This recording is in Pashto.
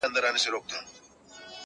ستا د کتاب د ښوونځیو وطن؛